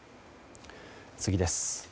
次です。